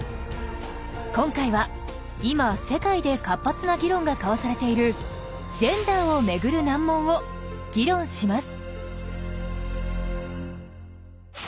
今回は今世界で活発な議論が交わされているジェンダーを巡る難問を議論します。